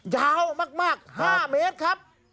ยาวมาก๕เมตร